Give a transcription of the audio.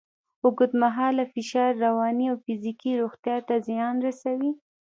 اوږدمهاله فشار رواني او فزیکي روغتیا ته زیان رسوي.